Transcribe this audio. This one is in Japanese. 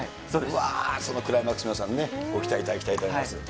そのクライマックス、皆さんね、ご期待いただきたいと思います。